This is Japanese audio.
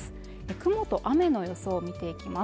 雲と雨の予想を見ていきます